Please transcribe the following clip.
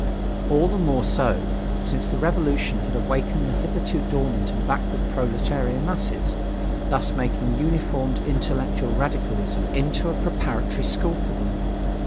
All the more so, since the revolution had awakened the hitherto dormant and backward proletarian masses, thus making uninformed intellectual radicalism into a preparatory school for them.